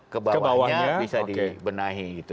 kebawahnya bisa dibenahi